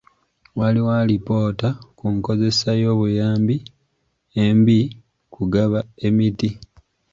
Waliwo alipoota ku nkozesa y'obuyambi embi kugaba emiti.